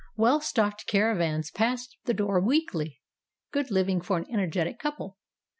Well stocked caravans pass the door weekly. Good living for an energetic couple.